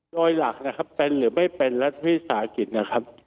โดยหลักนะครับเป็นหรือไม่เป็นรัฐวิสาหกิจนะครับ